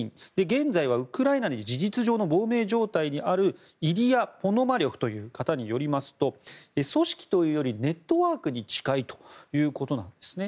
現在はウクライナに事実上の亡命状態にあるイリヤ・ポノマリョフという方によりますと組織というよりネットワークに近いということなんですね。